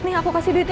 nih aku kasih duitnya